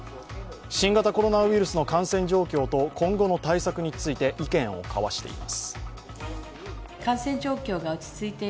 新型コロナウイルスの感染状況と今後の対策について意見を交わしています。